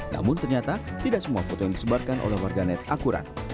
namun ternyata tidak semua foto yang disebarkan oleh warganet akurat